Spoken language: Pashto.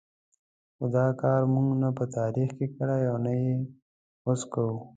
خو دا کار موږ نه په تاریخ کې کړی او نه یې اوس کوو.